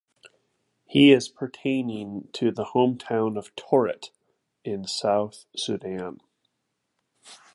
He is pertaining to the hometown of Torit in South Sudan.